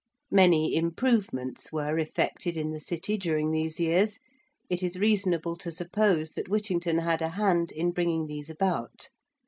Many improvements were effected in the City during these years: it is reasonable to suppose that Whittington had a hand in bringing these about.